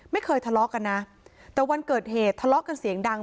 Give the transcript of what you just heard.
ไม่เคยทะเลาะกันนะแต่วันเกิดเหตุทะเลาะกันเสียงดัง